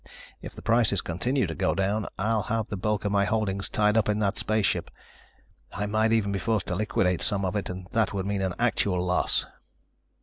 If the prices continue to go down, I'll have the bulk of my holdings tied up in the spaceship. I might even be forced to liquidate some of it and that would mean an actual loss."